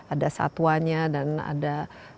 ada satuanya dan ada